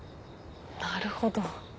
なるほど。